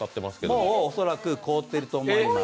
もう恐らく凍っていると思いますが。